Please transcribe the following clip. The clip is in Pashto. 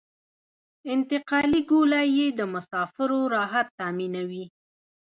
انتقالي ګولایي د مسافرو راحت تامینوي